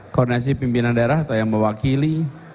koordinasi pimpinan daerah atau yang mewakili